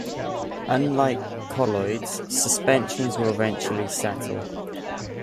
Unlike colloids, suspensions will eventually settle.